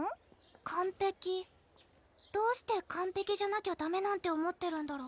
完璧どうして完璧じゃなきゃダメなんて思ってるんだろ？